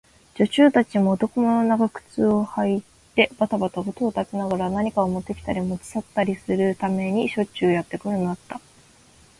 女中たちも、男物の長靴をはいてばたばた音を立てながら、何かをもってきたり、もち去ったりするためにしょっちゅうやってくるのだった。